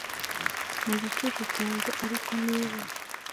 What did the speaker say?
Mu gicucu cyanjye ariko niba